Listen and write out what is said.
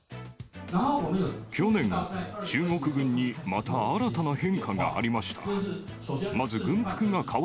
去年、中国軍にまた新たな変化がありました。